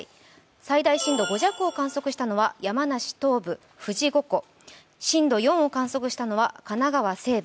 最大震度５弱を観測したのは山梨東部、富士五湖、震度４を観測したのは神奈川西部。